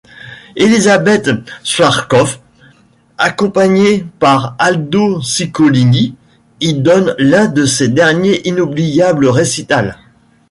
Elizabeth Schwarzkopf accompagné par Aldo Ciccolini y donne l’un de ses derniers inoubliables récitals.